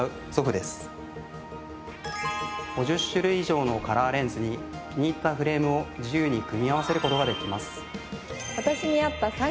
５０種類以上のカラーレンズに気に入ったフレームを自由に組み合わせる事ができます。